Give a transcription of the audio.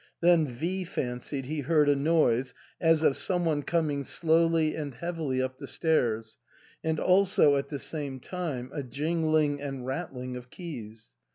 Then V fancied he heard a noise as of some one coming slowly and heavily up the stairs, and also at the same time a jingling and rattling of keys.